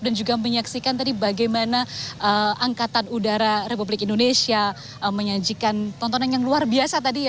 dan juga menyaksikan tadi bagaimana angkatan udara republik indonesia menyajikan tontonan yang luar biasa tadi ya